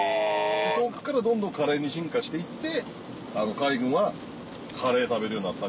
そっからどんどんカレーに進化していって海軍はカレー食べるようになった。